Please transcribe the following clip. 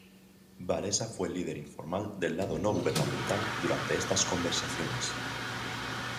Wałęsa fue el líder informal del lado no gubernamental durante estas conversaciones.